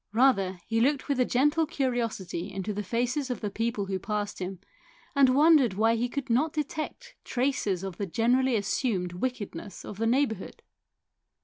Rather he looked with a gentle curiosity into the faces of the people who passed him, and wondered why he could not detect traces of the generally assumed wickedness of the neighbourhood.